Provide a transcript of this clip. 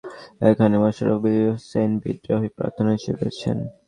আয়লা-পাতাকাটায় আশশাকুর রহমান মনোনয়ন পেয়েছেন, এখানে মোশারফ হোসেন বিদ্রোহী প্রার্থী হয়েছেন।